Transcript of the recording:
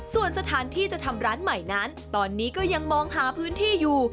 ส่วนสถานที่จะทำร้านใหม่นั้นตอนนี้ก็ยังมองหาพื้นที่อยู่